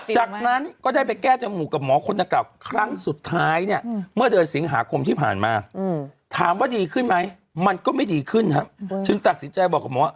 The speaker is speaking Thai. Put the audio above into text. จากนั้นก็ได้ไปแก้จมูกกับหมอคนดังกล่าวครั้งสุดท้ายเนี่ยเมื่อเดือนสิงหาคมที่ผ่านมาถามว่าดีขึ้นไหมมันก็ไม่ดีขึ้นครับจึงตัดสินใจบอกกับหมอ